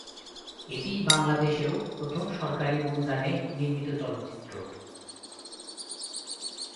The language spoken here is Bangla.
এটিই বাংলাদেশেও প্রথম সরকারি অনুদানে নির্মিত চলচ্চিত্র।